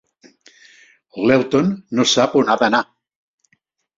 L'Elton no sap on ha d'anar.